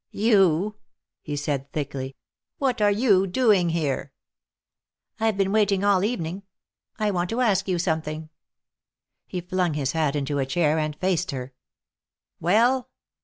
"You!" he said thickly. "What are you doing here?" "I've been waiting all evening. I want to ask you something." He flung his hat into a chair and faced her. "Well?"